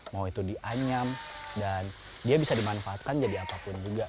mau itu dianyam dan dia bisa dimanfaatkan jadi apapun juga